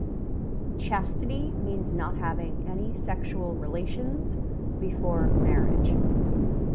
Chastity means not having any sexual relations before marriage.